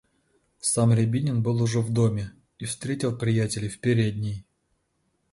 Сам Рябинин был уже в доме и встретил приятелей в передней.